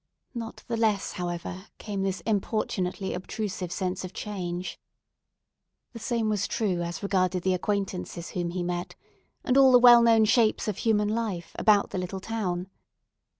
Not the less, however, came this importunately obtrusive sense of change. The same was true as regarded the acquaintances whom he met, and all the well known shapes of human life, about the little town.